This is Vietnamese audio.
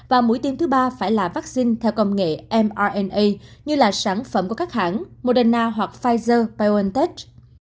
và mũi tiêm thứ ba phải là vaccine theo công nghệ mrna như là sản phẩm của các hãng moderna hoặc pfizer biontech